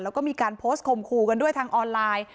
แล้วก็มีการโพสต์ข่มขู่กันด้วยทางออนไลน์